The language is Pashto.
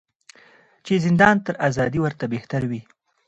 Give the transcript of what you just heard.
چي زندان تر آزادۍ ورته بهتر وي